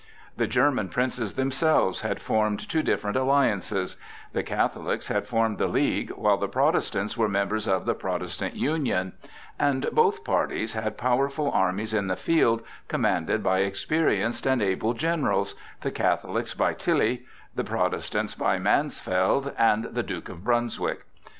The German princes themselves had formed two different alliances: the Catholics had formed the League, while the Protestants were members of the Protestant Union; and both parties had powerful armies in the field commanded by experienced and able generals, the Catholics by Tilly, the Protestants by Mansfeld and the Duke of Brunswick.